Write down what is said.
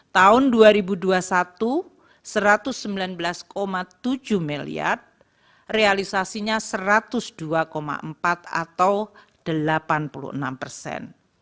tahun dua ribu dua puluh satu satu ratus sembilan belas tujuh miliar realisasinya satu ratus dua empat atau delapan puluh enam persen